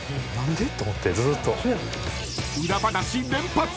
［裏話連発］